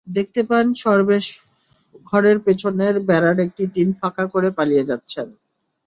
দেখতে পান সরবেশ ঘরের পেছনের বেড়ার একটি টিন ফাঁকা করে পালিয়ে যাচ্ছেন।